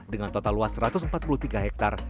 dengan total luas satu ratus empat puluh tiga hektare